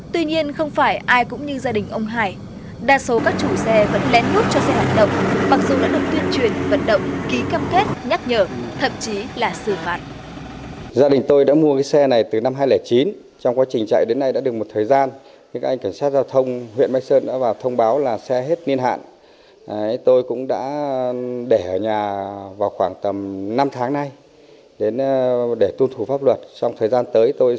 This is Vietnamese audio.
tuy nhiên không phải ai cũng như gia đình ông hải đa số các chủ xe vẫn lén nút cho xe hoạt động mặc dù đã được tuyên truyền vận động ký cam kết nhắc nhở thậm chí là xử phạt